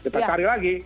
kita cari lagi